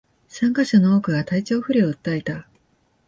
参加者の多くが体調不良を訴えた